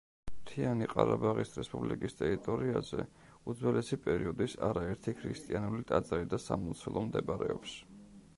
მთიანი ყარაბაღის რესპუბლიკის ტერიტორიაზე უძველესი პერიოდის არაერთი ქრისტიანული ტაძარი და სამლოცველო მდებარეობს.